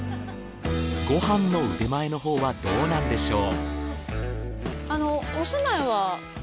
ご飯の腕前のほうはどうなんでしょう。